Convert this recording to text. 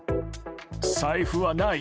財布はない。